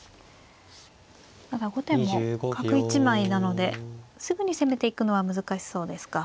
後手も角１枚なのですぐに攻めていくのは難しそうですか。